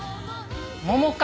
桃か。